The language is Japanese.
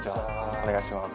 お願いします。